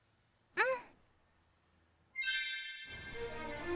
うん。